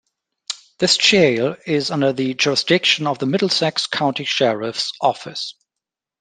This jail is under the jurisdiction of the Middlesex County Sheriff's Office.